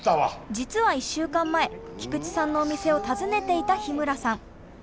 実は１週間前菊池さんのお店を訪ねていた日村さん。